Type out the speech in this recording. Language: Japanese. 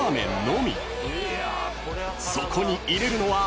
［そこに入れるのは］